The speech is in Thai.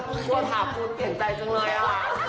กลัวถามคุณเปลี่ยนใจจังเลยอะค่ะ